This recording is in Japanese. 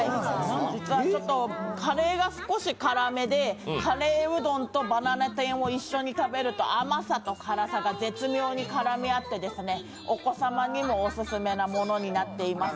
カレーが少し辛めで、カレーうどんとバナナ天を一緒に食べると甘さと辛さが絶妙に絡み合って、お子様にもオススメなものになっています。